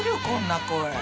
こんな声。